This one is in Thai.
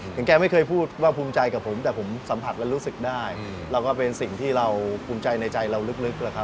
แกไม่เคยพูดว่าภูมิใจกับผมแต่ผมสัมผัสแล้วรู้สึกได้แล้วก็เป็นสิ่งที่เราภูมิใจในใจเราลึก